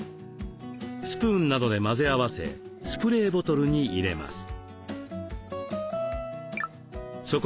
スプーンなどで混ぜ合わせスプレーボトルに入れます。